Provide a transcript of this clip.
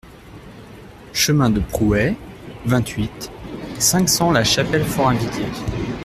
Chemin de Prouais, vingt-huit, cinq cents La Chapelle-Forainvilliers